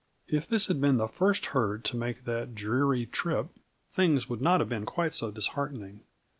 If this had been the first herd to make that dreary trip, things would not have been quite so disheartening.